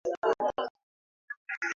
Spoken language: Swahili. Nitaenda pwani hivi karibuni